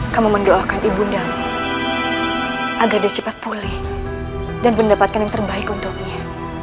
kamu mendoakan ibu nda agar cepat pulih dan mendapatkan yang terbaik untuknya